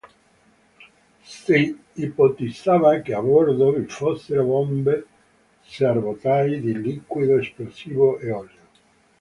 Si ipotizzava che a bordo vi fossero bombe, serbatoi di liquido esplosivo e olio.